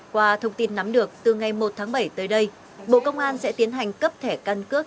qua thông tin nắm được từ ngày một tháng bảy tới đây bộ công an sẽ tiến hành cấp thẻ căn cước